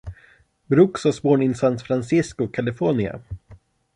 Brooks was born in San Francisco, California.